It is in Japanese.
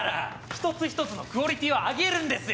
一つ一つのクオリティーを上げるんですよ